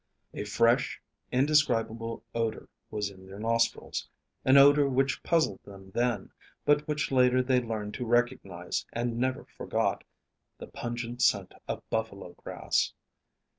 A fresh, indescribable odor was in their nostrils; an odor which puzzled them then, but which later they learned to recognize and never forgot the pungent scent of buffalo grass.